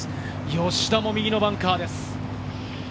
吉田も右のバンカーです。